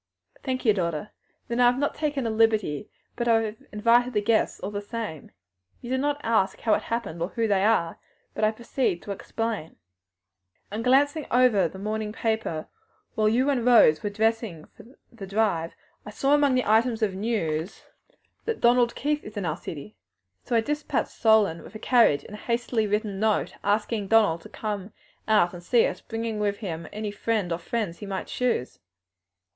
"Thank you, daughter; then I have not taken a liberty, but I have invited the guests all the same. You do not ask how it happened or who they are, but I proceed to explain. "In glancing over the morning paper, while you and Rose were attiring yourselves for the drive, I saw among the items of news that Donald Keith is in our city. So I dispatched Solon with a carriage and a hastily written note, asking Donald to come out to see us, bringing with him any friend or friends he might choose."